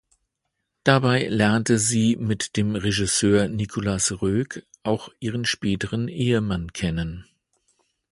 Dabei lernte sie mit dem Regisseur Nicolas Roeg auch ihren späteren Ehemann kennen.